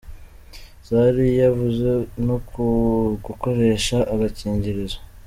Zari yavuze no ku gukoresha agakingirizo.